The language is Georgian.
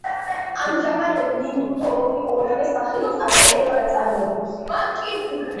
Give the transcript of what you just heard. ამჟამად ლინდჰოლმი ორივე სახელით აქვეყნებს ნაწარმოებებს.